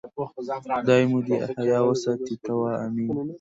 خدای مو دې حیا وساتي، ته وا آمین.